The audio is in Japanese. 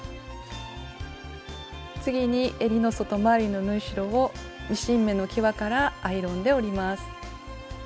次にえりの外回りの縫い代をミシン目のきわからアイロンで折ります。